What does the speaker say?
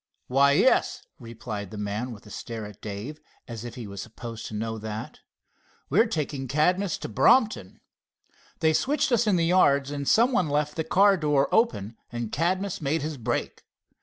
"Why, yes," replied the man, with a stare at Dave as if he supposed he knew that. "We're taking Cadmus to Brompton. They switched us in the yards, and some one left the car door open, and Cadmus made his break."